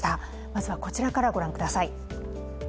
まずはこちらから御覧ください。